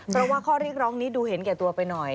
เพราะว่าข้อเรียกร้องนี้ดูเห็นแก่ตัวไปหน่อย